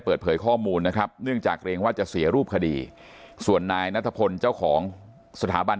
เปิดเผยข้อมูลนะครับเนื่องจากเกรงว่าจะเสียรูปคดีส่วนนายนัทพลเจ้าของสถาบัน